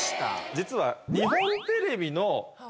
実は。